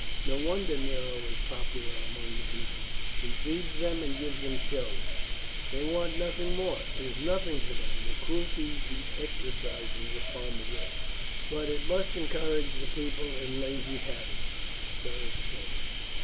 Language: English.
No wonder Nero is popular among the people; he feeds them and gives them shows they want nothing more. It is nothing to them, the cruelties he exercises upon the rich." "But it must encourage the people in lazy habits," Beric said.